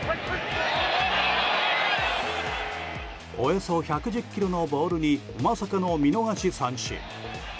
およそ１１０キロのボールにまさかの見逃し三振。